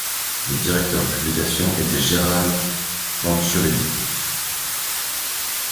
Le directeur de publication était Gérald Penciolelli.